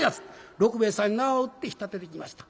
六兵衛さんに縄を打って引っ立てていきました。